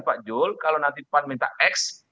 pak jul kalau nanti pan minta x